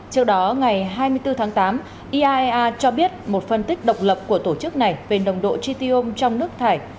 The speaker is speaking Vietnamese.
trước đó ngày hai mươi bốn tháng tám iaea cho biết một phân tích độc lập của tổ chức này về nồng độ tritium trong nước thải